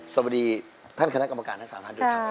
สวัสดีท่านคณะกรรมการทั้ง๓ท่านด้วยครับ